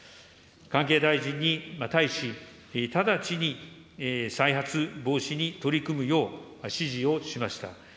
関係大臣に対し、直ちに再発防止に取り組むよう指示をしました。